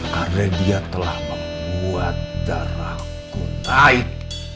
karena dia telah membuat darahku naik